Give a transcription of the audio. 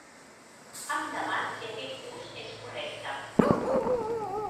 Em deman si aquest ús és correcte.